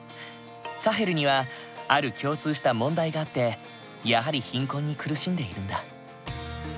サヘルにはある共通した問題があってやはり貧困に苦しんでいるんだ。